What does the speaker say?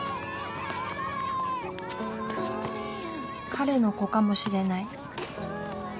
彼の子かもしれない。